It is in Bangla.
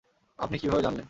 আপনি কীভাবে জানলেন?